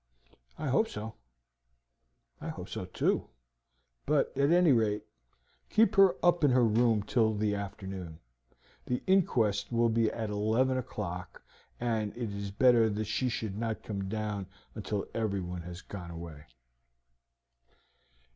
"I hope so." "I hope so, too; but, at any rate, keep her up in her room till the afternoon. The inquest will be at eleven o'clock, and it is better that she should not come down until everyone has gone away."